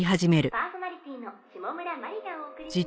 「パーソナリティーのシモムラマリがお送りします」